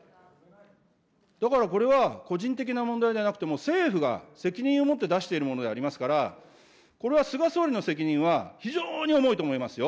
だからこれは個人的な問題じゃなくて、もう政府が責任を持って出しているものでありますから、これは菅総理の責任は非常に重いと思いますよ。